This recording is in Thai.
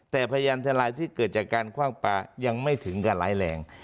แต่พยันตรายของที่เกิดจากการคว่างป่ายังไม่ถึงกันหลายแหล่ง